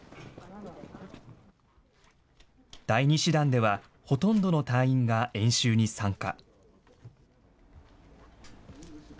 第２師団では、ほとんどの隊員が演習に参加。